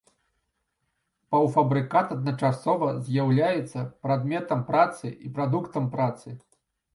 Паўфабрыкат адначасова з'яўляецца прадметам працы і прадуктам працы.